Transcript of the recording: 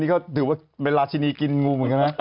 นี่ก็ถือว่าเป็นราชินีกินงูเหมือนกันนะ